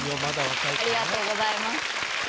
ありがとうございます。